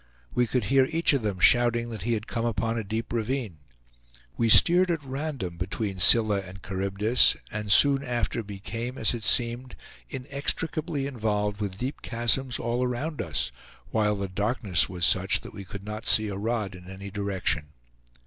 We could hear each of them shouting that he had come upon a deep ravine. We steered at random between Scylla and Charybdis, and soon after became, as it seemed, inextricably involved with deep chasms all around us, while the darkness was such that we could not see a rod in any direction.